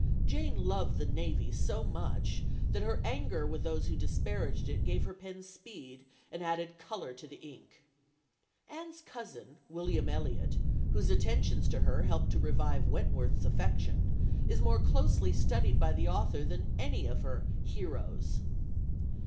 Jane loved the navy so much that her anger with those who disparaged it gave her pen speed and added colour to the ink. Anne's cousin William Elliot, whose attentions to her help to revive Wentworth's affection, is more closely studied by the author than any of her "heroes."